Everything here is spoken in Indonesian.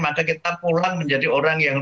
maka kita pulang menjadi orang yang